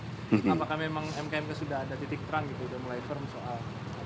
apakah memang mkmk sudah ada titik terang gitu sudah mulai firm soal